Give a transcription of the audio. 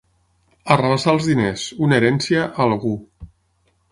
Arrabassar els diners, una herència, a algú.